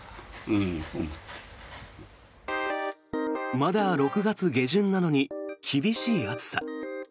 まだ６月下旬なのに厳しい暑さ。